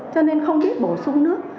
cho nên không biết bổ sung nước